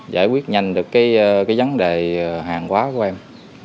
giải quyết nhanh được cái vấn đề hàng quá của em